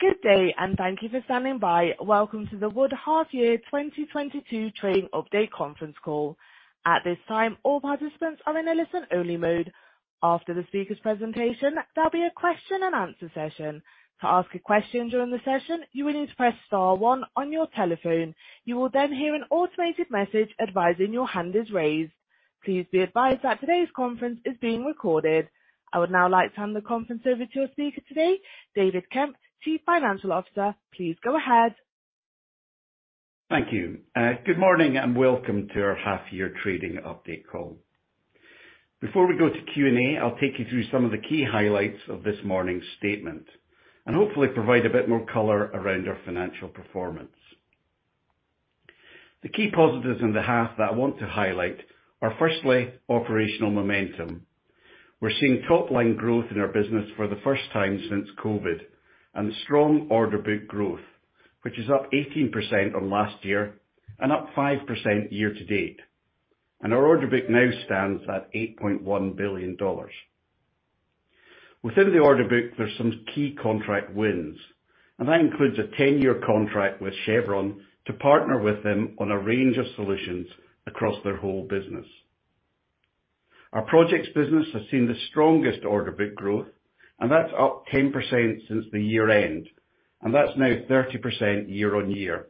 Good day, and thank you for standing by. Welcome to the Wood Half Year 2022 Trading Update conference call. At this time, all participants are in a listen only mode. After the speaker's presentation, there'll be a question and answer session. To ask a question during the session, you will need to press star one on your telephone. You will then hear an automated message advising your hand is raised. Please be advised that today's conference is being recorded. I would now like to hand the conference over to our speaker today, David Kemp, Chief Financial Officer. Please go ahead. Thank you. Good morning, and welcome to our half year trading update call. Before we go to Q&A, I'll take you through some of the key highlights of this morning's statement and hopefully provide a bit more color around our financial performance. The key positives in the half that I want to highlight are firstly, operational momentum. We're seeing top-line growth in our business for the first time since COVID and strong order book growth, which is up 18% on last year and up 5% year-to-date. Our order book now stands at $8.1 billion. Within the order book, there's some key contract wins, and that includes a 10-year contract with Chevron to partner with them on a range of solutions across their whole business. Our projects business has seen the strongest order book growth, and that's up 10% since the year-end, and that's now 30% year-over-year.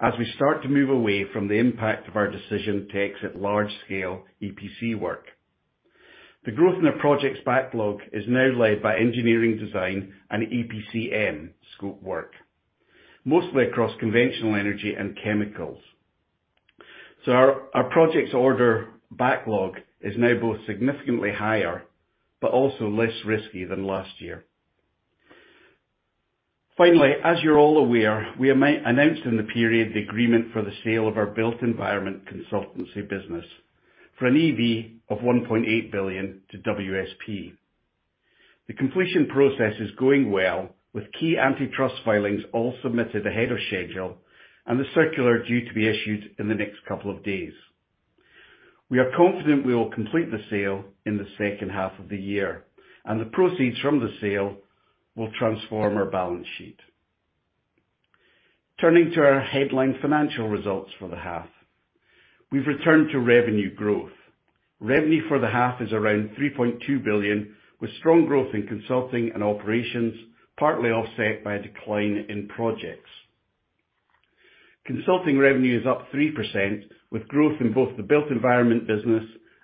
As we start to move away from the impact of our decision to exit large-scale EPC work. The growth in the projects backlog is now led by engineering design and EPCM scope work, mostly across conventional energy and chemicals. Our projects order backlog is now both significantly higher but also less risky than last year. Finally, as you're all aware, we announced in the period the agreement for the sale of our Built Environment consultancy business for an EV of $1.8 billion to WSP. The completion process is going well, with key antitrust filings all submitted ahead of schedule and the circular due to be issued in the next couple of days. We are confident we will complete the sale in the second half of the year, and the proceeds from the sale will transform our balance sheet. Turning to our headline financial results for the half. We've returned to revenue growth. Revenue for the half is around $3.2 billion, with strong growth in Consulting and Operations, partly offset by a decline in Projects. Consulting revenue is up 3%, with growth in both the Built Environment business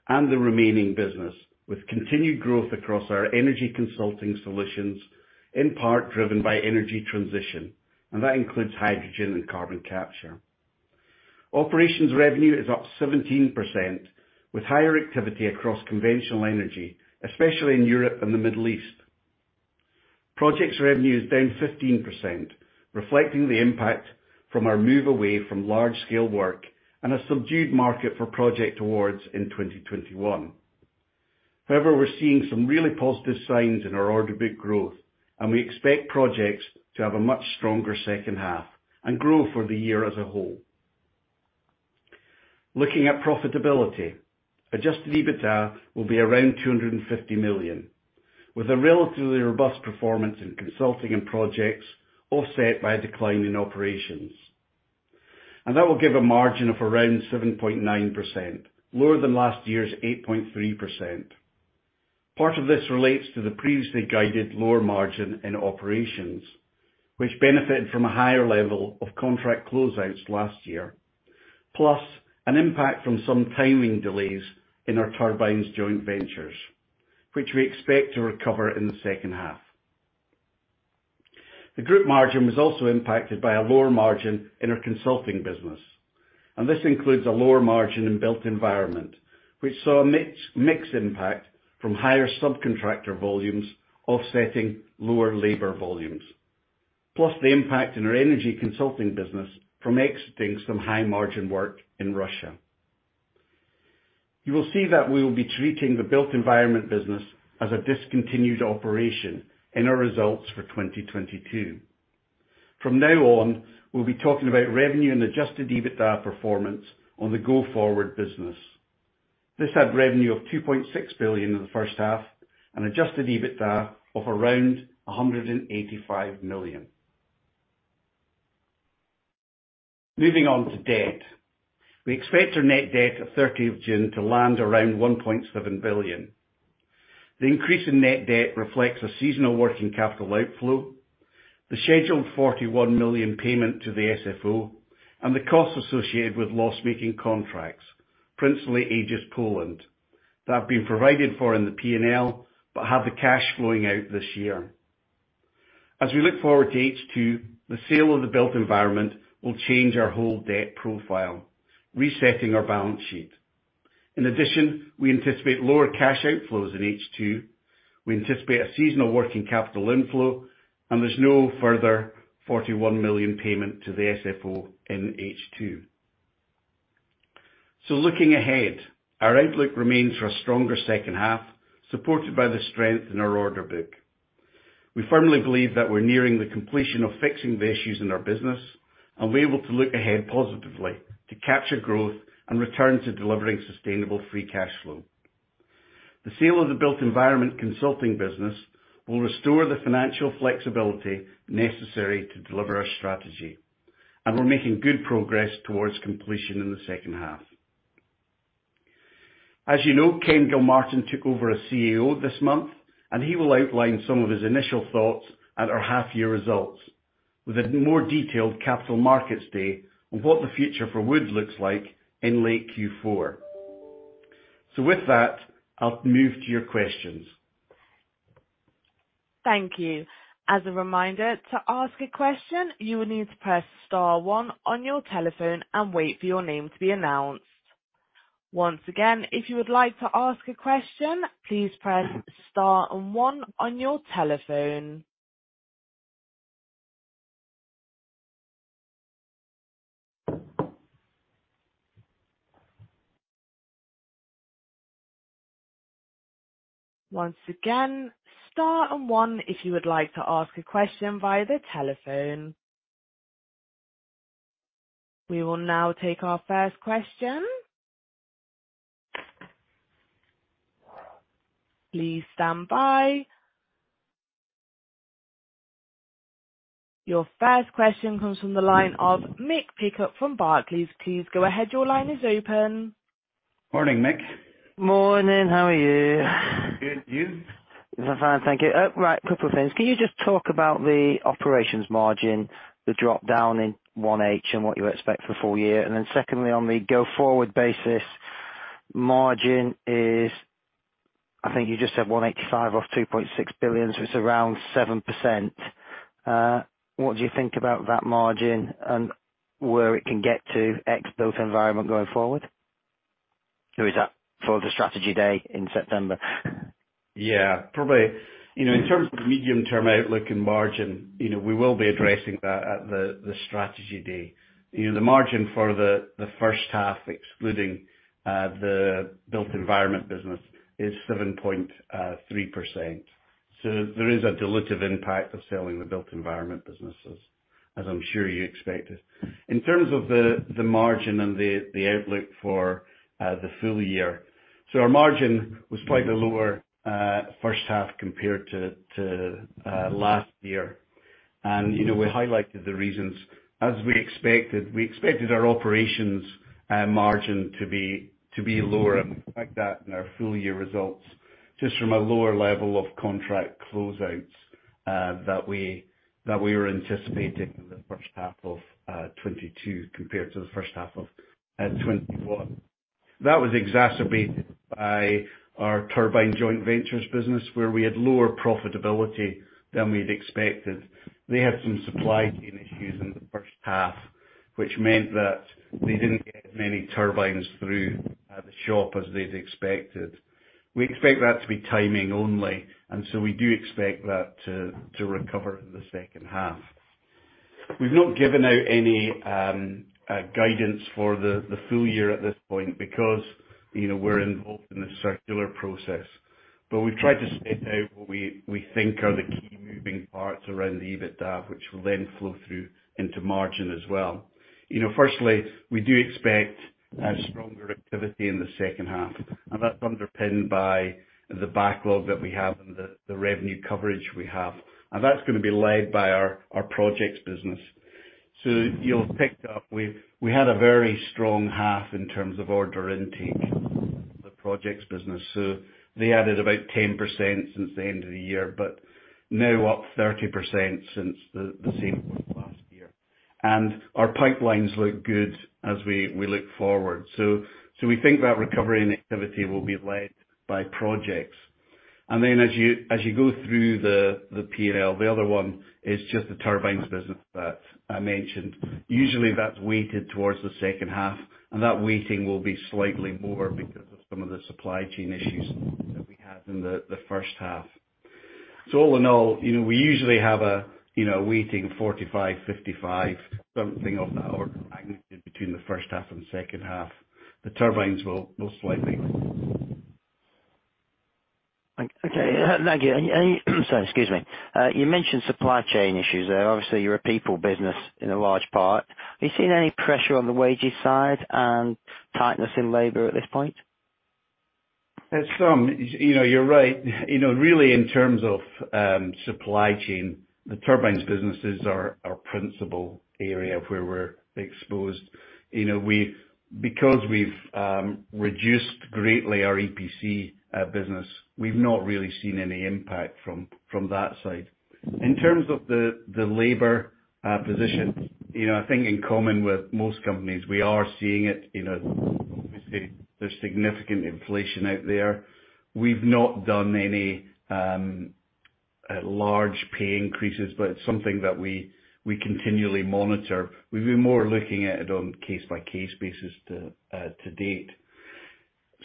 and the remaining business, with continued growth across our energy consulting solutions, in part driven by energy transition, and that includes hydrogen and carbon capture. Operations revenue is up 17%, with higher activity across conventional energy, especially in Europe and the Middle East. Projects revenue is down 15%, reflecting the impact from our move away from large scale work and a subdued market for project awards in 2021. However, we're seeing some really positive signs in our order book growth, and we expect projects to have a much stronger second half and grow for the year as a whole. Looking at profitability. Adjusted EBITDA will be around $250 million, with a relatively robust performance in consulting and projects offset by a decline in operations. That will give a margin of around 7.9%, lower than last year's 8.3%. Part of this relates to the previously guided lower margin in operations, which benefited from a higher level of contract closeouts last year, plus an impact from some timing delays in our turbines joint ventures, which we expect to recover in the second half. The group margin was also impacted by a lower margin in our Consulting business, and this includes a lower margin in Built Environment, which saw a mix impact from higher subcontractor volumes offsetting lower labor volumes. Plus the impact in our energy Consulting business from exiting some high margin work in Russia. You will see that we will be treating the Built Environment business as a discontinued operation in our results for 2022. From now on, we'll be talking about revenue and adjusted EBITDA performance on the go-forward business. This had revenue of $2.6 billion in the first half and adjusted EBITDA of around $185 million. Moving on to debt. We expect our net debt at 30 June to land around $1.7 billion. The increase in net debt reflects a seasonal working capital outflow, the scheduled $41 million payment to the SFO, and the costs associated with loss-making contracts, principally Aegis Poland, that have been provided for in the P&L, but have the cash flowing out this year. As we look forward to H2, the sale of the Built Environment will change our whole debt profile, resetting our balance sheet. In addition, we anticipate lower cash outflows in H2. We anticipate a seasonal working capital inflow, and there's no further $41 million payment to the SFO in H2. Looking ahead, our outlook remains for a stronger second half, supported by the strength in our order book. We firmly believe that we're nearing the completion of fixing the issues in our business, and we're able to look ahead positively to capture growth and return to delivering sustainable free cash flow. The sale of the Built Environment consulting business will restore the financial flexibility necessary to deliver our strategy, and we're making good progress towards completion in the second half. As you know, Ken Gilmartin took over as CEO this month, and he will outline some of his initial thoughts at our half year results with a more detailed capital markets day on what the future for Wood looks like in late Q4. With that, I'll move to your questions. Thank you. As a reminder, to ask a question, you will need to press star one on your telephone and wait for your name to be announced. Once again, if you would like to ask a question, please press star and one on your telephone. Once again, star and one if you would like to ask a question via the telephone. We will now take our first question. Please stand by. Your first question comes from the line of Mick Pickup from Barclays. Please go ahead. Your line is open. Morning, Mick. Morning, how are you? Good. You? Fine, thank you. Right, couple of things. Can you just talk about the Operations margin, the drop in 1H and what you expect for full year? Secondly, on the go-forward basis, margin is, I think you just said $185 of $2.6 billion, so it's around 7%. What do you think about that margin and where it can get to ex Built Environment going forward? Who is that for the strategy day in September? Yeah. Probably, you know, in terms of the medium-term outlook and margin, you know, we will be addressing that at the strategy day. You know, the margin for the first half, excluding the Built Environment business is 7.3%. There is a dilutive impact of selling the Built Environment businesses, as I'm sure you expected. In terms of the margin and the outlook for the full year. Our margin was slightly lower first half compared to last year. You know, we highlighted the reasons. As we expected our Operations margin to be lower and we expect that in our full-year results, just from a lower level of contract closeouts that we were anticipating in the first half of 2022 compared to the first half of 2021. That was exacerbated by our turbine joint ventures business, where we had lower profitability than we'd expected. They had some supply chain issues in the first half, which meant that they didn't get as many turbines through the shop as they'd expected. We expect that to be timing only, and so we do expect that to recover in the second half. We've not given out any guidance for the full year at this point because, you know, we're involved in a circular process. We've tried to set out what we think are the key moving parts around the EBITDA, which will then flow through into margin as well. You know, firstly, we do expect a stronger activity in the second half, and that's underpinned by the backlog that we have and the revenue coverage we have. That's gonna be led by our Projects business. You'll have picked up, we've had a very strong half in terms of order intake in the Projects business. They added about 10% since the end of the year, but now up 30% since the same point last year. Our pipelines look good as we look forward. We think that recovery and activity will be led by Projects. As you go through the P&L, the other one is just the turbines business that I mentioned. Usually that's weighted towards the second half, and that weighting will be slightly more because of some of the supply chain issues that we had in the first half. All in all, you know, we usually have a, you know, a weighting 45%-55%, something of that order of magnitude between the first half and second half. The turbines will most likely. Okay, thank you. Sorry. Excuse me. You mentioned supply chain issues there. Obviously, you're a people business in a large part. Are you seeing any pressure on the wages side and tightness in labor at this point? There's some. You know, you're right. You know, really, in terms of supply chain, the turbines businesses are our principal area of where we're exposed. You know, because we've reduced greatly our EPC business, we've not really seen any impact from that side. In terms of the labor position, you know, I think in common with most companies, we are seeing it, you know. Obviously, there's significant inflation out there. We've not done any large pay increases, but it's something that we continually monitor. We've been more looking at it on case-by-case basis to date.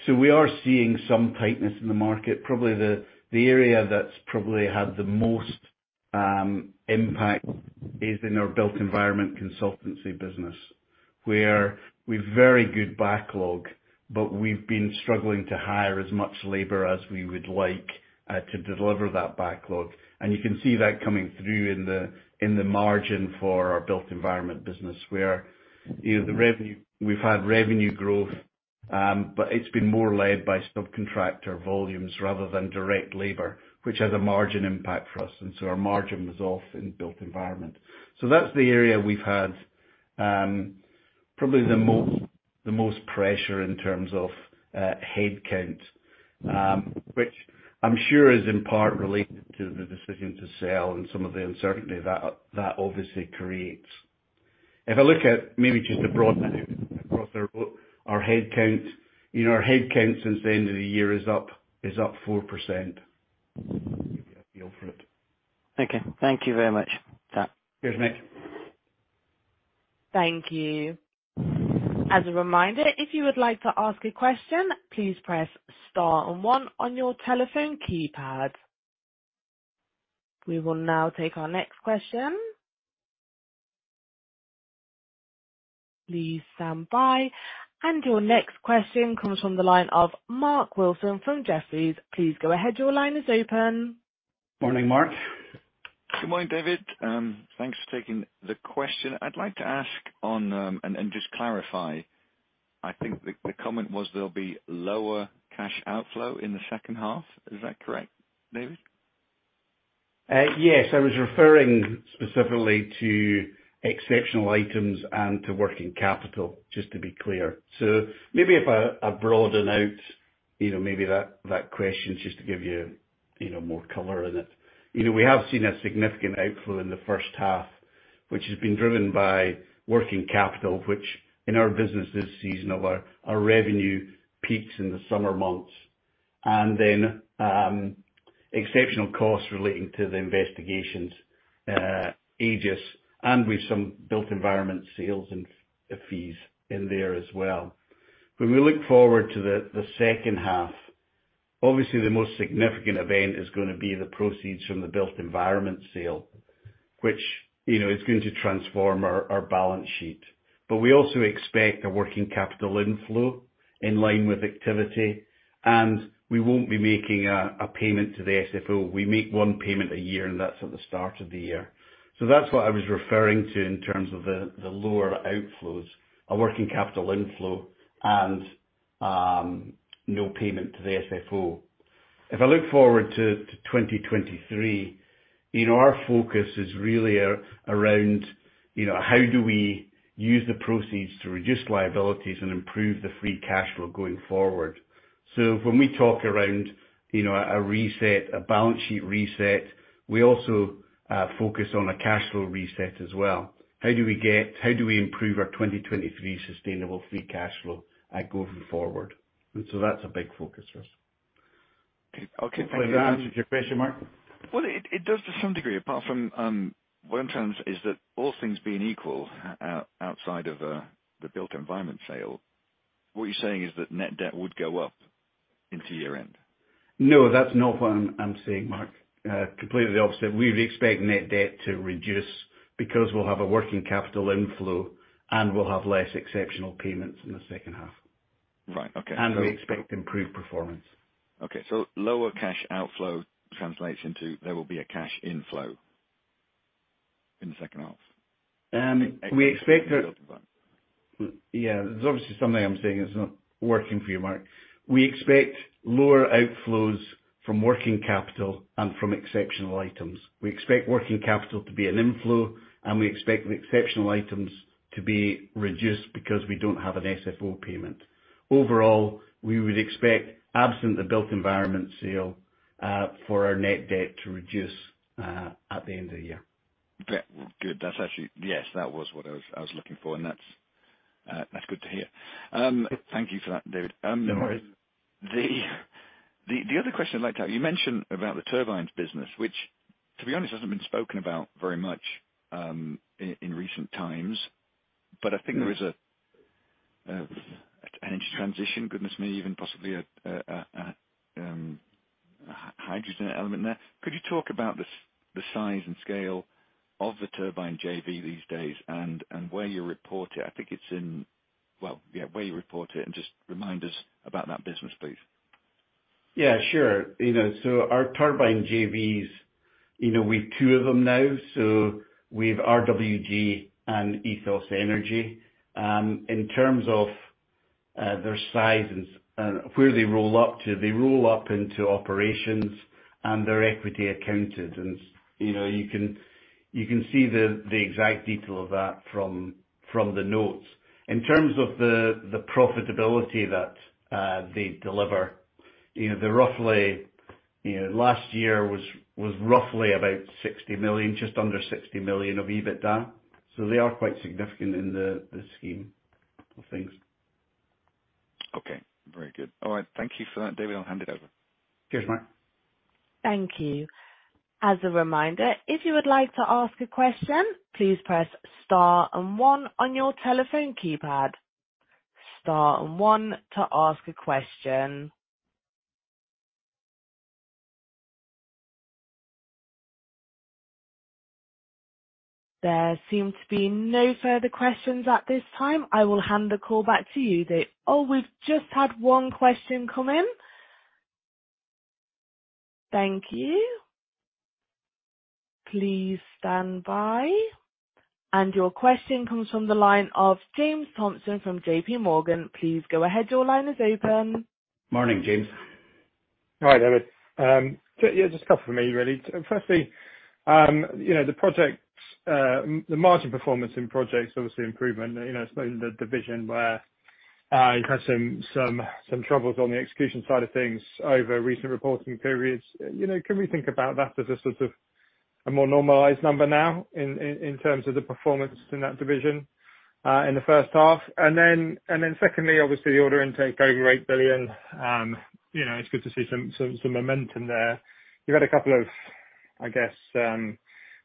We are seeing some tightness in the market. Probably the area that's probably had the most impact is in our Built Environment consultancy business, where we have very good backlog, but we've been struggling to hire as much labor as we would like to deliver that backlog. You can see that coming through in the margin for our Built Environment business where, you know, the revenue, we've had revenue growth, but it's been more led by subcontractor volumes rather than direct labor, which has a margin impact for us. Our margin was off in Built Environment. That's the area we've had probably the most pressure in terms of head count, which I'm sure is in part related to the decision to sell and some of the uncertainty that obviously creates. If I look at maybe just the broad picture across our board, our head count. You know, our head count since the end of the year is up 4%. Give you a feel for it. Okay. Thank you very much. David. Cheers, Nick. Thank you. As a reminder, if you would like to ask a question, please press star and one on your telephone keypad. We will now take our next question. Please stand by. Your next question comes from the line of Mark Wilson from Jefferies. Please go ahead. Your line is open. Morning, Mark. Good morning, David. Thanks for taking the question. I'd like to ask and just clarify. I think the comment was there'll be lower cash outflow in the second half. Is that correct, David? Yes. I was referring specifically to exceptional items and to working capital, just to be clear. Maybe if I broaden out, you know, maybe that question just to give you know, more color in it. You know, we have seen a significant outflow in the first half, which has been driven by working capital, which in our business this season of our revenue peaks in the summer months. Exceptional costs relating to the investigations, Aegis, and with some Built Environment sales and fees in there as well. When we look forward to the second half, obviously the most significant event is gonna be the proceeds from the Built Environment sale, which, you know, is going to transform our balance sheet. We also expect a working capital inflow in line with activity, and we won't be making a payment to the SFO. We make one payment a year, and that's at the start of the year. That's what I was referring to in terms of the lower outflows, a working capital inflow and no payment to the SFO. If I look forward to 2023, you know, our focus is really around, you know, how do we use the proceeds to reduce liabilities and improve the free cash flow going forward. When we talk about, you know, a reset, a balance sheet reset, we also focus on a cash flow reset as well. How do we improve our 2023 sustainable free cash flow going forward? That's a big focus for us. Okay, thank you. Hope that answers your question, Mark. Well, it does to some degree, apart from what I'm trying to understand is that all things being equal out, outside of the Built Environment sale, what you're saying is that net debt would go up into year-end? No, that's not what I'm saying, Mark. Completely the opposite. We expect net debt to reduce because we'll have a working capital inflow, and we'll have less exceptional payments in the second half. Right. Okay. We expect improved performance. Okay. Lower cash outflow translates into there will be a cash inflow in the second half? Yeah. There's obviously something I'm saying that's not working for you, Mark. We expect lower outflows from working capital and from exceptional items. We expect working capital to be an inflow, and we expect the exceptional items to be reduced because we don't have an SFO payment. Overall, we would expect absent the Built Environment sale, for our net debt to reduce, at the end of the year. Great. Good. That's actually. Yes, that was what I was looking for, and that's good to hear. Thank you for that, David. No worries. The other question I'd like to ask, you mentioned about the turbines business which, to be honest, hasn't been spoken about very much in recent times. I think there is a transition, goodness me, even possibly a hydrogen element there. Could you talk about the size and scale of the turbine JV these days and where you report it? I think it's in. Well, yeah, where you report it, and just remind us about that business, please. Yeah, sure. You know, our turbine JVs, you know, we've two of them now, so we've RWG and EthosEnergy. In terms of their size and where they roll up to, they roll up into operations, and they're equity accounted. You know, you can see the exact detail of that from the notes. In terms of the profitability that they deliver, you know, they're roughly last year was roughly about $60 million, just under $60 million of EBITDA. They are quite significant in the scheme of things. Okay. Very good. All right. Thank you for that, David. I'll hand it over. Cheers, Mark. Thank you. As a reminder, if you would like to ask a question, please press star and one on your telephone keypad. Star and one to ask a question. There seem to be no further questions at this time. I will hand the call back to you, David. Oh, we've just had one question come in. Thank you. Please stand by. Your question comes from the line of James Thompson from JP Morgan. Please go ahead. Your line is open. Morning, James. Hi, David. Yeah, just a couple for me, really. Firstly, you know, the margin performance in Projects, obviously improvement, you know, it's been the division where you've had some troubles on the execution side of things over recent reporting periods. You know, can we think about that as a sort of a more normalized number now in terms of the performance in that division in the first half? Secondly, obviously the order intake over $8 billion, you know, it's good to see some momentum there. You've had a couple of, I guess,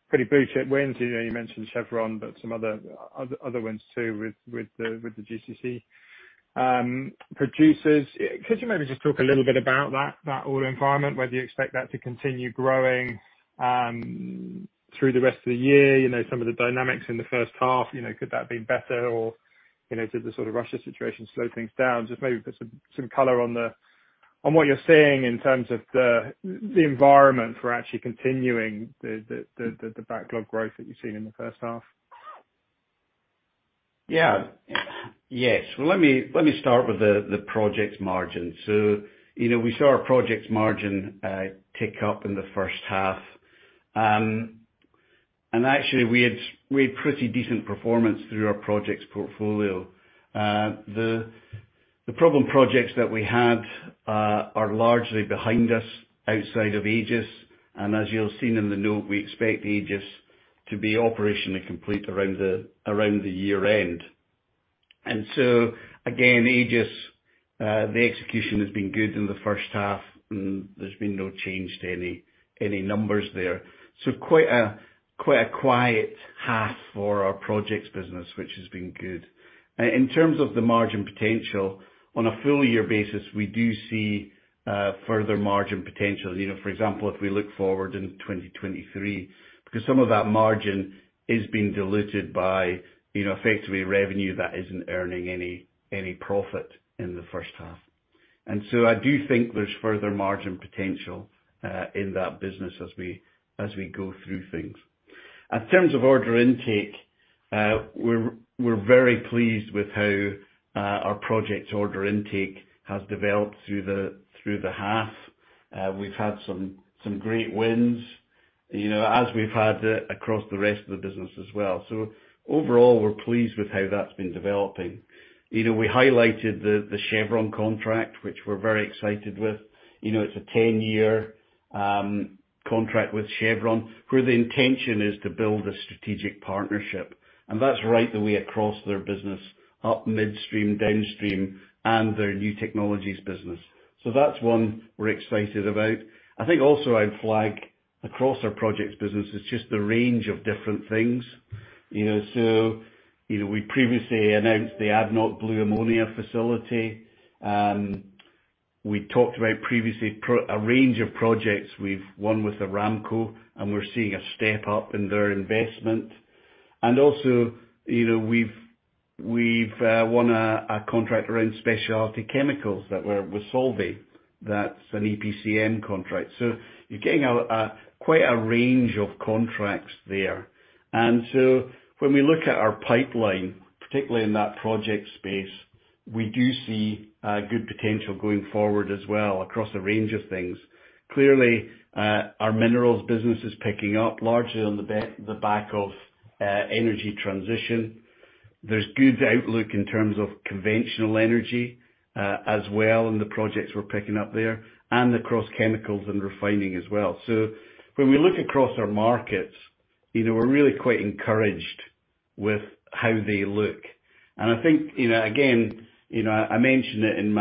pretty big wins. You know, you mentioned Chevron, but some other wins too with the GCC producers. Could you maybe just talk a little bit about that order environment, whether you expect that to continue growing through the rest of the year? You know, some of the dynamics in the first half, you know, could that be better or, you know, did the sort of Russia situation slow things down? Just maybe put some color on what you're seeing in terms of the environment for actually continuing the backlog growth that you've seen in the first half. Yeah. Yes. Well, let me start with the project margin. You know, we saw our project margin tick up in the first half. Actually we had pretty decent performance through our projects portfolio. The problem projects that we had are largely behind us outside of Aegis. As you'll see in the note, we expect Aegis to be operationally complete around the year-end. Again, Aegis, the execution has been good in the first half, and there's been no change to any numbers there. Quite a quiet half for our projects business, which has been good. In terms of the margin potential, on a full year basis, we do see further margin potential. You know, for example, if we look forward in 2023, because some of that margin is being diluted by, you know, effectively revenue that isn't earning any profit in the first half. I do think there's further margin potential in that business as we go through things. In terms of order intake, we're very pleased with how our project order intake has developed through the half. We've had some great wins, you know, as we've had across the rest of the business as well. Overall, we're pleased with how that's been developing. You know, we highlighted the Chevron contract, which we're very excited with. You know, it's a 10-year contract with Chevron, where the intention is to build a strategic partnership, and that's right the way across their business, up midstream, downstream, and their new technologies business. That's one we're excited about. I think also I would flag across our projects business is just the range of different things. You know, so, you know, we previously announced the ADNOC blue ammonia facility. We talked about previously a range of projects we've won with Aramco, and we're seeing a step up in their investment. Also, you know, we've won a contract around specialty chemicals that we're solving, that's an EPCM contract. You're getting quite a range of contracts there. When we look at our pipeline, particularly in that project space, we do see good potential going forward as well across a range of things. Clearly, our minerals business is picking up largely on the back of energy transition. There's good outlook in terms of conventional energy as well, and the projects we're picking up there and across chemicals and refining as well. When we look across our markets, you know, we're really quite encouraged with how they look. I think, you know, again, you know, I mentioned it in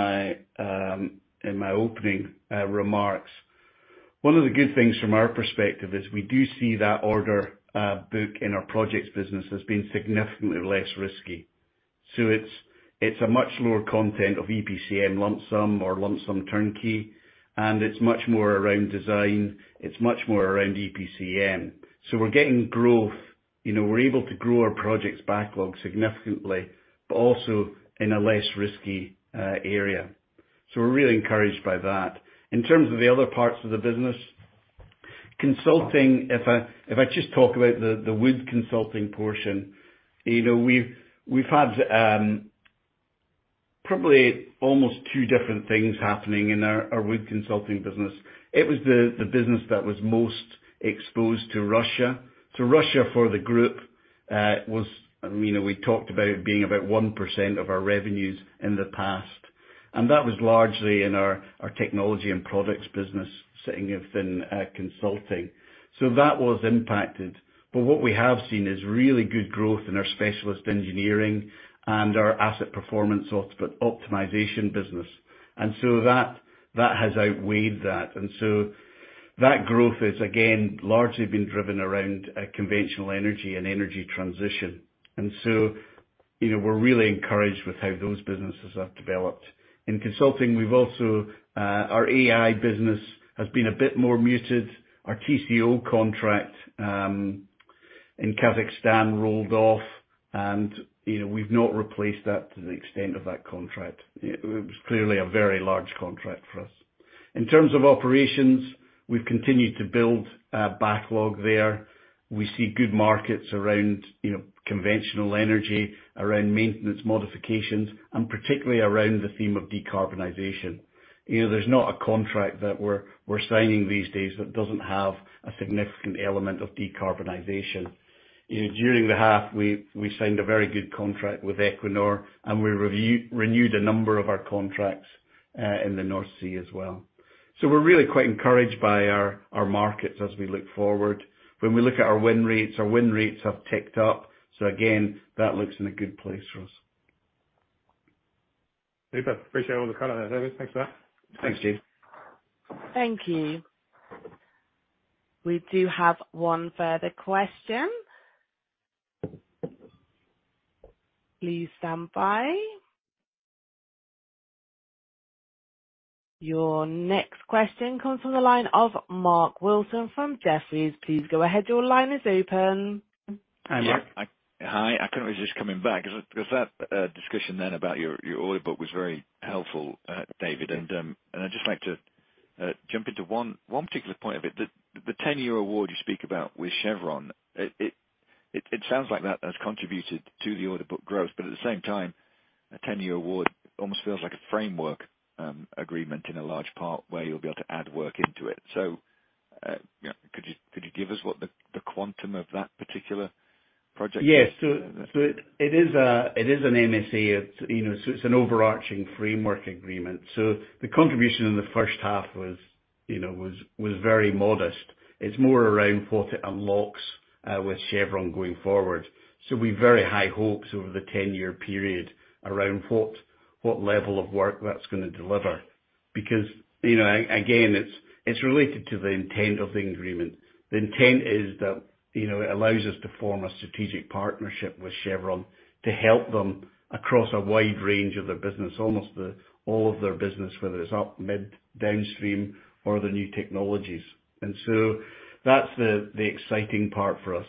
my opening remarks. One of the good things from our perspective is we do see that order book in our projects business as being significantly less risky. It's a much lower content of EPCM lump sum or lump sum turnkey, and it's much more around design. It's much more around EPCM. We're getting growth. You know, we're able to grow our projects backlog significantly, but also in a less risky area. We're really encouraged by that. In terms of the other parts of the business, consulting, if I just talk about the Wood consulting portion, you know, we've had probably almost two different things happening in our Wood consulting business. It was the business that was most exposed to Russia. Russia for the group was, you know, we talked about it being about 1% of our revenues in the past. That was largely in our technology and products business sitting within consulting. That was impacted. What we have seen is really good growth in our specialist engineering and our asset performance optimization business. That has outweighed that. That growth has again largely been driven around conventional energy and energy transition. You know, we're really encouraged with how those businesses have developed. In consulting, we've also our A&I business has been a bit more muted. Our TCO contract in Kazakhstan rolled off, and you know, we've not replaced that to the extent of that contract. It was clearly a very large contract for us. In terms of operations, we've continued to build backlog there. We see good markets around you know, conventional energy, around maintenance modifications, and particularly around the theme of decarbonization. You know, there's not a contract that we're signing these days that doesn't have a significant element of decarbonization. You know, during the half, we signed a very good contract with Equinor, and we renewed a number of our contracts in the North Sea as well. We're really quite encouraged by our markets as we look forward. When we look at our win rates, our win rates have ticked up, so again, that looks in a good place for us. Great. I appreciate all the color there, David. Thanks for that. Thanks, James. Thank you. We do have one further question. Please stand by. Your next question comes from the line of Mark Wilson from Jefferies. Please go ahead. Your line is open. Yeah. Hi, Mark. Hi. I couldn't resist coming back because that discussion then about your order book was very helpful, David. I'd just like to jump into one particular point of it. The ten-year award you speak about with Chevron, it sounds like that has contributed to the order book growth, but at the same time, a ten-year award almost feels like a framework agreement in a large part where you'll be able to add work into it. You know, could you give us what the quantum of that particular project is? Yeah. It is an MSA. It's, you know, it's an overarching framework agreement. The contribution in the first half was, you know, very modest. It's more around what it unlocks with Chevron going forward. We've very high hopes over the ten-year period around what level of work that's gonna deliver. Because, you know, again, it's related to the intent of the agreement. The intent is that, you know, it allows us to form a strategic partnership with Chevron to help them across a wide range of their business, almost all of their business, whether it's upstream, midstream, downstream or other new technologies. That's the exciting part for us.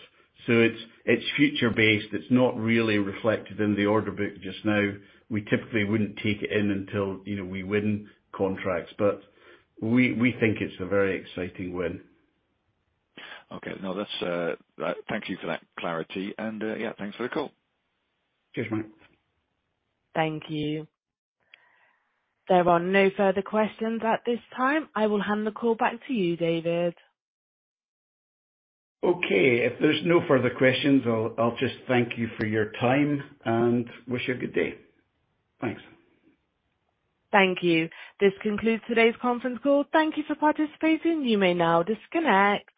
It's future based. It's not really reflected in the order book just now. We typically wouldn't take it in until, you know, we win contracts. We think it's a very exciting win. Okay. No, that's thank you for that clarity and yeah, thanks for the call. Cheers, Mark. Thank you. There are no further questions at this time. I will hand the call back to you, David. Okay. If there's no further questions, I'll just thank you for your time and wish you a good day. Thanks. Thank you. This concludes today's conference call. Thank you for participating. You may now disconnect.